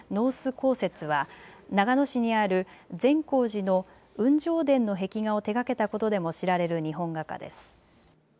香雪は長野市にある善光寺の雲上殿の壁画を手がけたことでも知られる日本画家です。